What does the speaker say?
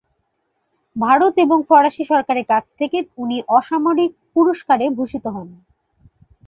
ভারত এবং ফরাসি সরকারের কাছ থেকে উনি অসামরিক পুরষ্কারে ভূষিত হন।